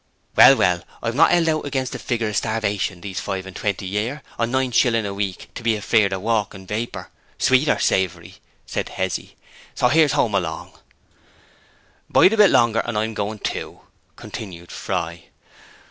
'Well, well; I've not held out against the figure o' starvation these five and twenty year, on nine shillings a week, to be afeard of a walking vapour, sweet or savoury,' said Hezzy. 'So here's home along.' 'Bide a bit longer, and I'm going too,' continued Fry.